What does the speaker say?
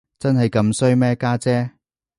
真係咁衰咩，家姐？